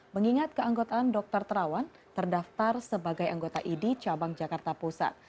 mengingat keanggotaan dokter terawan terdaftar sebagai anggota idi cabang jakarta pusat